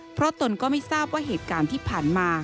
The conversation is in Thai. เพราะตนก็ไม่ทราบว่าเหตุการณ์ที่ผ่านมา